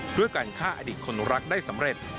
ด้วยการฆ่าอดีตคนรักได้สำเร็จ